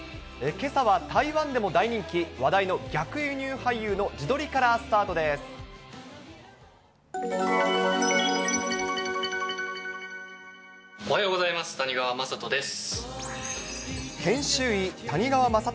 けさは台湾でも大人気、話題の逆輸入俳優の自撮りからスタートでおはようございます。